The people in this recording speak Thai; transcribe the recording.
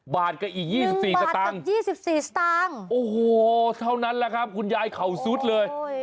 บาทก็อีก๒๔สตางค์โอ้โหเท่านั้นแหละครับคุณยายเข่าสุดเลยโอ้โห